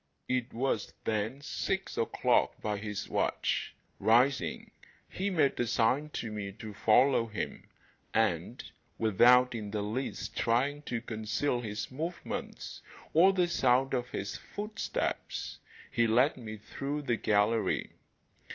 It was then six o'clock by his watch. Rising, he made a sign to me to follow him, and, without in the least trying to conceal his movements or the sound of his footsteps, he led me through the gallery.